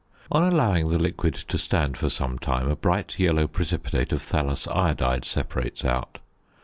On allowing the liquid to stand for some time a bright yellow precipitate of thallous iodide separates out.